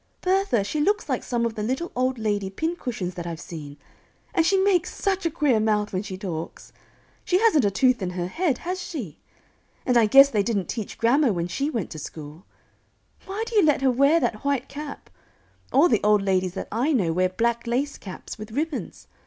Bertha, she looks like some of the little old lady pincushions that I've seen, and she makes such a queer mouth when she talks. She hasn't a tooth in her head, has she? and I guess they didn't teach grammar when she went to school. Why do you let her wear that white cap? all the old ladies that I know wear black lace caps, with ribbons.